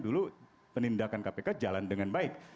dulu penindakan kpk jalan dengan baik